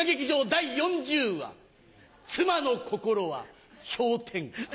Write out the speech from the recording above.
第４０話「妻の心は氷点下」